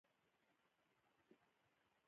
ایا د کرونا واکسین مو کړی دی؟